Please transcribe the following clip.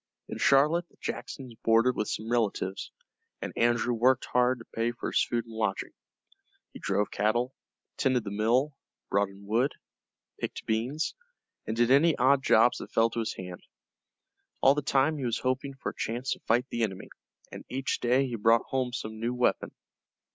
In Charlotte the Jacksons boarded with some relatives, and Andrew worked hard to pay for his food and lodging. He drove cattle, tended the mill, brought in wood, picked beans, and did any odd jobs that fell to his hand. All the time he was hoping for a chance to fight the enemy, and each day he brought home some new weapon.